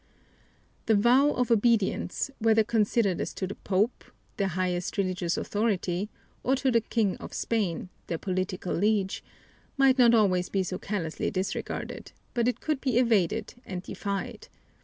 The vow of obedience whether considered as to the Pope, their highest religious authority, or to the King of Spain, their political liege might not always be so callously disregarded, but it could be evaded and defied.